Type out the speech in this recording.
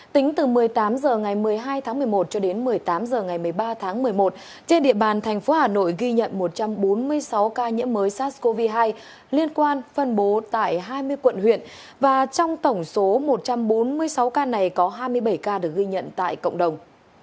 tính từ một mươi tám h ngày một mươi hai tháng một mươi một cho đến một mươi tám h ngày một mươi ba tháng một mươi một trên địa bàn thành phố hà nội ghi nhận một trăm bốn mươi sáu ca nhiễm mới sars cov hai liên quan phân bố tại hai mươi quận huyện và trong tổng số một trăm bốn mươi sáu ca này có hai mươi bảy ca được ghi nhận tại cộng đồng